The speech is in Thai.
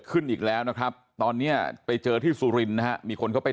ขึ้นอีกแล้วนะครับตอนนี้ไปเจอที่สุรินต์มีคนเขาไป